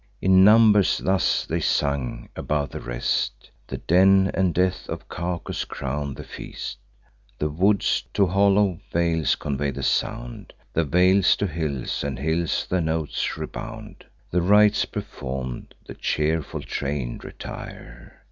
In numbers thus they sung; above the rest, The den and death of Cacus crown the feast. The woods to hollow vales convey the sound, The vales to hills, and hills the notes rebound. The rites perform'd, the cheerful train retire.